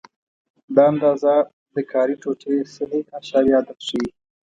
دا اندازه د کاري ټوټې صحیح اعشاریه عدد ښيي.